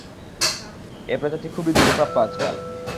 এ প্রজাতি খুবই দুষ্প্রাপ্য আজকাল।